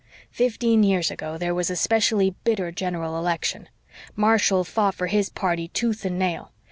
Fifteen years ago there was a specially bitter general election. Marshall fought for his party tooth and nail.